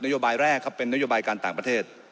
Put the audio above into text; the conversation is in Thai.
โยบายแรกครับเป็นนโยบายการต่างประเทศ